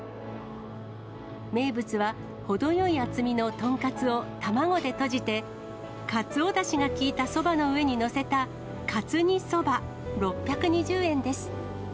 名物は、程よい厚みの豚カツを卵でとじて、かつおだしが効いたそばの上に載せた、カツ煮そば６２０円です。